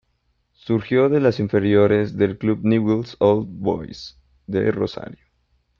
Surgió de las inferiores del club Newell's Old Boys de Rosario.